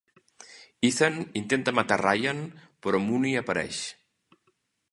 Ethan intenta matar Ryan però Mooney apareix.